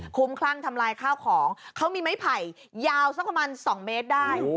คุ้มคลั่งทำลายข้าวของเขามีไม้ไผ่ยาวสักประมาณ๒เมตรได้